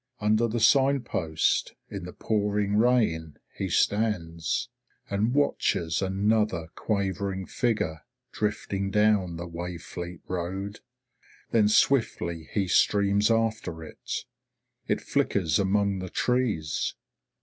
Under the sign post, in the pouring rain, he stands, and watches another quavering figure drifting down the Wayfleet road. Then swiftly he streams after it. It flickers among the trees.